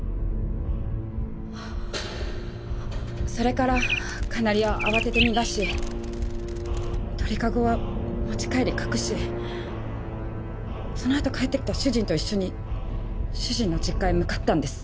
それからカナリアを慌てて逃がし鳥籠は持ち帰り隠しそのあと帰ってきた主人と一緒に主人の実家へ向かったんです。